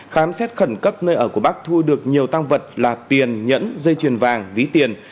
khám xét khẩn cấp nơi ở của bắc thu được nhiều tăng vật là tiền nhẫn dây chuyền vàng ví tiền